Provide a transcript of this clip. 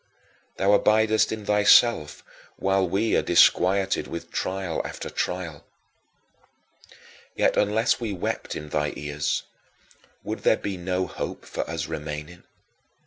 Thou abidest in thyself while we are disquieted with trial after trial. Yet unless we wept in thy ears, there would be no hope for us remaining.